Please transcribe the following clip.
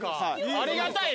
ありがたいね。